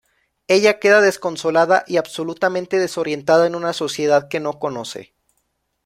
Ella queda desconsolada y absolutamente desorientada en una sociedad que no conoce.